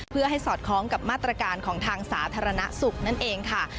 เพื่อให้สอดคล้องกับมาตรการของทางสาธารณสุขนั่นเองค่ะ